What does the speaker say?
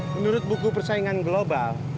menurut buku persaingan global